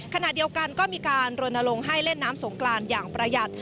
ขณะเดียวกันก็มีการรณรงค์ให้เล่นน้ำสงกรานอย่างประหยัด